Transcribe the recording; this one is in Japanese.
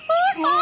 あ！